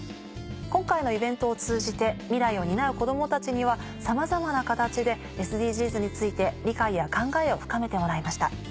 今回のイベントを通じて未来を担う子どもたちにはさまざまな形でＳＤＧｓについて理解や考えを深めてもらいました。